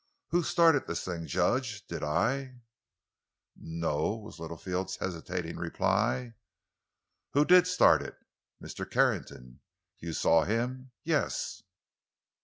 Who started this thing, judge? Did I?" "No—o," was Littlefield's hesitating reply. "Who did start it?" "Mr. Carrington." "You saw him?" "Yes."